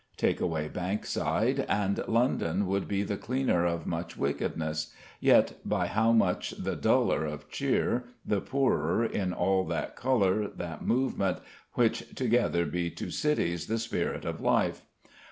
Take away Bankside, and London would be the cleaner of much wickedness: yet by how much the duller of cheer, the poorer in all that colour, that movement which together be to cities the spirit of life!